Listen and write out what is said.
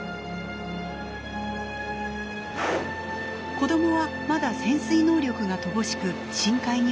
子どもはまだ潜水能力が乏しく深海には潜れません。